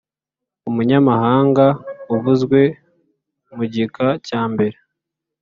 Umunyamahanga uvuzwe mu gika cya mbere